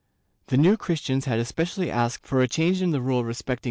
The New Christians had especially asked for a change in the rule respecting * Bullar.